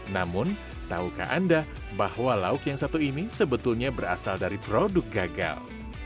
namun tahukah anda bahwa lauk yang satu ini sebetulnya berasal dari produk gagal